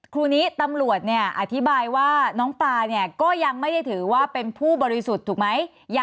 ครูนี้ตำรวจอธิบายว่าน้องปลาเนี่ยก็ยังไม่ได้ถือว่าเป็นผู้บริสุทธิ์ถูกไหม